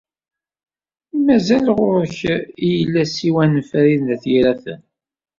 Mazal ɣur-k i yella ssiwan n Farid n At Yiraten?